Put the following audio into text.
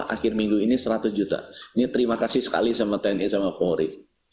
akhir minggu ini seratus juta ini terima kasih sekali sama tni sama polri